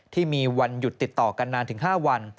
ที่มีวันหยุดติดต่อกันนานถึง๕วัน